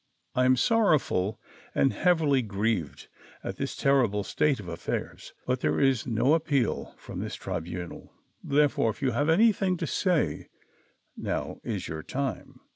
''" I am sorroAA ful and heavily grieved at this terrible state of affairs, but there is no appeal from this tribunal ; therefore, if you have anything to say, now is your time."